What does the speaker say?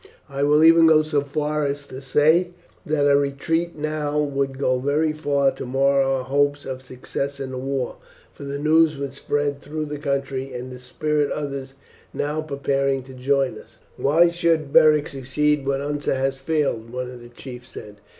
I will even go so far as to say that a retreat now would go very far to mar our hopes of success in the war, for the news would spread through the country and dispirit others now preparing to join us." "Why should Beric succeed when Unser has failed?" one of the chiefs said.